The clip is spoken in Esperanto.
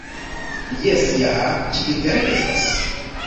Jes, ja, ĝi vere estas!